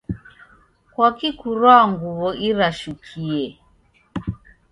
Kwaki kurwaa nguw'o irashukie?